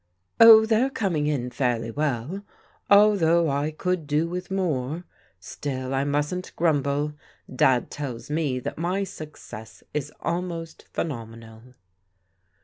" Oh, they're coming in fairly well. Although I could do with more. Still I mustn't gnmible. Dad tells me that my success is almost phenomenal."